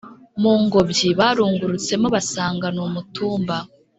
mungobyi barungurutsemo basanga numutumba